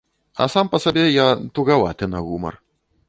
А сам па сабе я тугаваты на гумар.